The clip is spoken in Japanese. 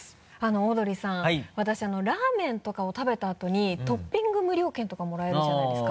オードリーさん私ラーメンとかを食べたあとにトッピング無料券とかもらえるじゃないですか。